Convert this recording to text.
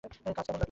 কাজ কেমন গেলো?